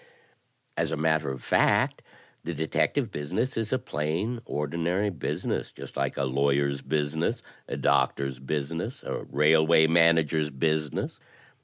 "As a matter of fact the detective business is a plain ordinary business, just like a lawyer's business, a doctor's business, a railway manager's business.